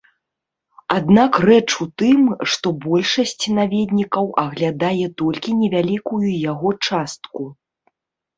Аднак рэч у тым, што большасць наведнікаў аглядае толькі невялікую яго частку.